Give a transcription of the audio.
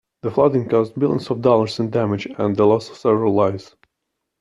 The flooding caused billions of dollars in damage and the loss of several lives.